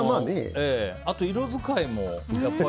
あと色遣いも。